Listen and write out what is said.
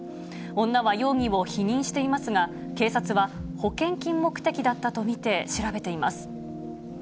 女は容疑を否認していますが、警察は保険金目的だったと見て調べています。